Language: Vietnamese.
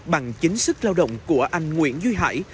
bằng chính sức lao động của anh nguyễn duy hải